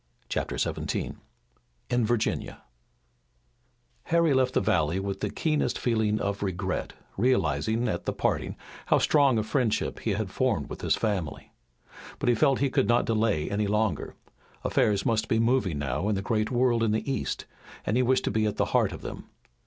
CHAPTER XI IN VIRGINIA Harry left the valley with the keenest feeling of regret, realizing at the parting how strong a friendship he had formed with this family. But he felt that he could not delay any longer. Affairs must be moving now in the great world in the east, and he wished to be at the heart of them.